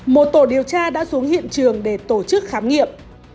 một tổ điều tra đã xuống hiện trường để tổ chức khám nghiệm